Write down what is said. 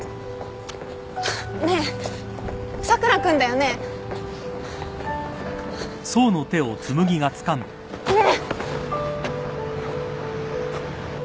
ねえ佐倉君だよね？ねえ。